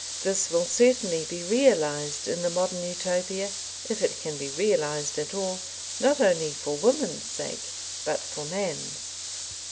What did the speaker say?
This will certainly be realised in the Modern Utopia, if it can be realised at all not only for woman's sake, but for man's.